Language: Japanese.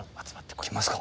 来ますか？